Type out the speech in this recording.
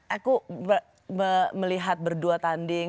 aku melihat berdua tanding